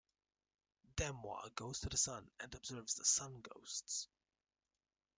Demwa goes to the sun, and observes the sun-ghosts.